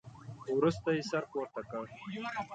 وروسته يې سر پورته کړ.